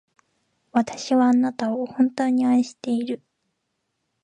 私はあなたを、本当に愛している。